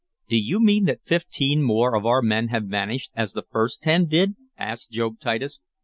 "Do you mean that fifteen more of our men have vanished as the first ten did?" asked Job Titus.